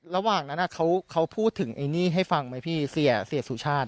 ระหว่างนั้นเขาพูดถึงไอ้นี่ให้ฟังไหมพี่เสียสุชาติ